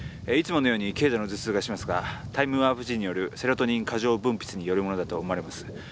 いつものように軽度の頭痛がしますがタイムワープ時によるセロトニン過剰分泌によるものだと思われます。